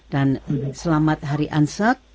dan selamat hari ansur